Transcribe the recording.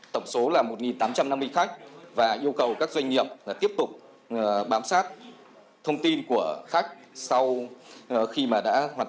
tổng số là một tám trăm năm mươi khách và yêu cầu các doanh nghiệp tiếp tục bám sát thông tin của khách sau khi mà đã hoàn thành chương trình du lịch